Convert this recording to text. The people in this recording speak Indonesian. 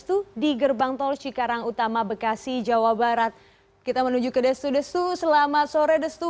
untuk desu destu selamat sore desu